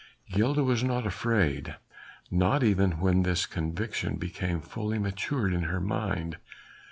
Gilda was not afraid. Not even when this conviction became fully matured in her mind.